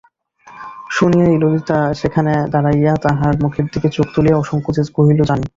শুনিয়াই ললিতা সেখানে দাঁড়াইয়া তাঁহার মুখের দিকে চোখ তুলিয়া অসংকোচে কহিল, জানি।